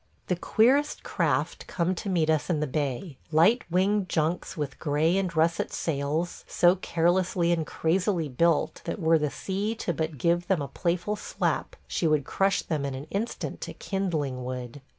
The queerest craft come to meet us in the bay – light winged junks with gray and russet sails, so carelessly and crazily built that were the sea to but give them a playful slap she would crush them in an instant to kindling wood.